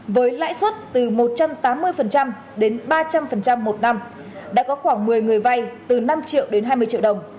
một năm đã có khoảng một mươi người vay từ năm triệu đến hai mươi triệu đồng